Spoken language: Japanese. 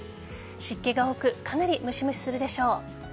湿気が多くかなりむしむしするでしょう。